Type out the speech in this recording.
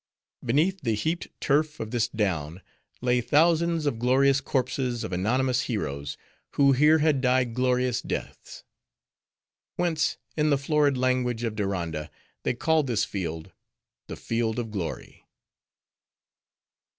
Beneath the heaped turf of this down, lay thousands of glorious corpses of anonymous heroes, who here had died glorious deaths. Whence, in the florid language of Diranda, they called this field "The Field of Glory."